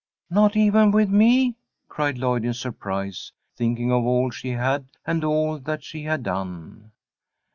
"Not even with me?" cried Lloyd, in surprise, thinking of all she had and all that she had done.